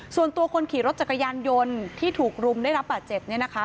ส่วนตัวคนขี่รถจักรยานยนต์ที่ถูกรุมได้รับบาดเจ็บเนี่ยนะคะ